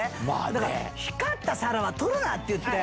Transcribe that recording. だから光った皿は取るなっていって。